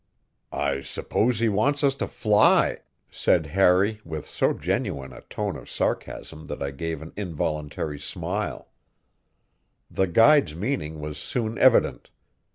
"I suppose he wants us to fly," said Harry with so genuine a tone of sarcasm that I gave an involuntary smile. The guide's meaning was soon evident.